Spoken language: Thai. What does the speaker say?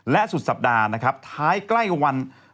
และสุดสัปดาห์นะครับท้ายใกล้วัน